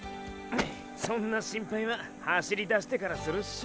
そんな心配は走り出してからするっショ。